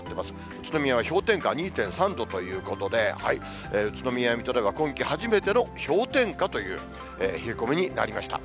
宇都宮は氷点下２．３度ということで、宇都宮、水戸では今季初めての氷点下という冷え込みになりました。